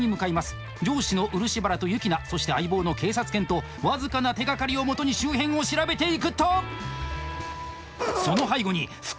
上司の漆原とユキナそして相棒の警察犬と僅かな手がかりをもとに周辺を調べていくと。